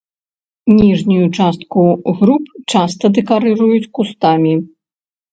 Ніжнюю частку груп часта дэкарыруюць кустамі.